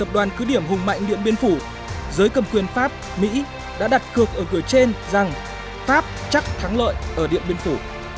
điện biên phủ